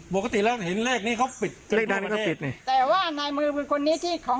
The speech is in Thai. ปกติแล้วเห็นเลขนี้เขาปิดเลขดังก็ปิดแต่ว่านายมือคนนี้ที่ของ